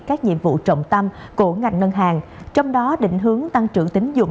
các nhiệm vụ trọng tâm của ngành ngân hàng trong đó định hướng tăng trưởng tính dụng